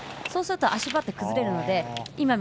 そうすると足場って崩れるので。